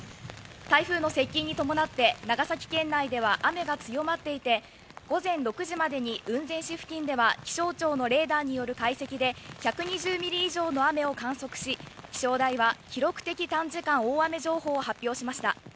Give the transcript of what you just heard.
台風の接近に伴って長崎県内では雨が強まっていて、午前６時までに雲仙市付近では気象庁のレーダーによる解析で１２０ミリ以上の雨を観測し気象台は記録的短時間大雨情報を発表しました。